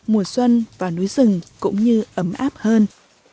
mùa xuân và núi rừng cũng như ấm áp hơn